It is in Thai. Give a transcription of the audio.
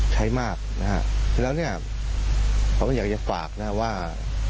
ใช้มากนะฮะแล้วเนี่ยเขาก็อยากจะฝากนะว่า